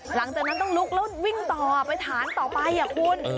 หลังจากนั้นต้องลุกแล้ววิ่งต่อไปฐานต่อไปคุณ